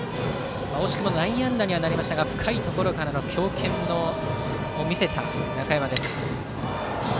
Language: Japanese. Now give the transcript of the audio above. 惜しくも内野安打にはなりましたが深いところからの強肩を見せた中山です。